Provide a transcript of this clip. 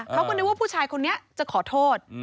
เขาก็นึกว่าผู้ชายคนนี้จะขอโทษ